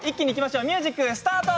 ミュージックスタート！